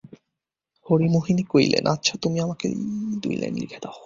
হরিমোহিনী কহিলেন, আচ্ছা, তুমি আমাকেই দু-লাইন লিখে দাও।